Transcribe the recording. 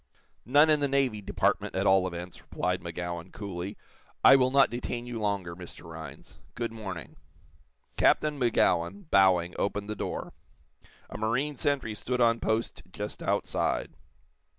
"None in the Navy Department, at all events," replied Magowan, coolly. "I will not detain you longer, Mr. Rhinds. Good morning." Captain Magowan, bowing, opened the door. A marine sentry stood on post just outside.